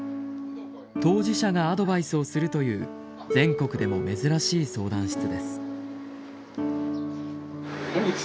当事者がアドバイスをするという全国でも珍しい相談室です。